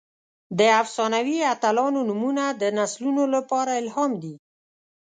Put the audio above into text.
د افسانوي اتلانو نومونه د نسلونو لپاره الهام دي.